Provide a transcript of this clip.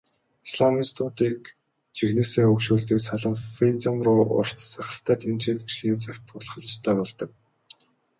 Исламистуудыг жинхэнээсээ өөгшүүлдэг салафизм руу урт сахалтай тэмцээд ирэхийн цагт тулах л ёстой болдог.